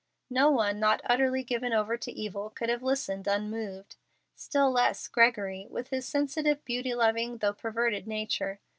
No one not utterly given over to evil could have listened unmoved, still less Gregory, with his sensitive, beauty loving, though perverted nature.